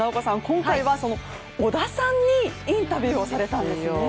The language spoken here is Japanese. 今回は織田さんにインタビューをされたんですね。